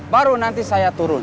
baru nanti saya turun